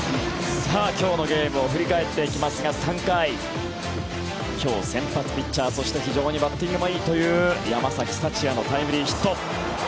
今日のゲームを振り返っていきますが３回、今日、先発ピッチャーそして非常にバッティングもいいという山崎福也のタイムリーヒット。